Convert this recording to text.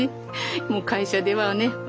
もう会社ではね